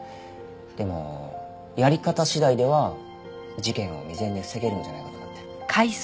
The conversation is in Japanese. でもやり方次第では事件を未然に防げるんじゃないかと思って。